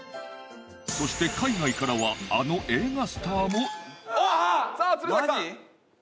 そして海外からはあの映画スターもさあ鶴崎さん！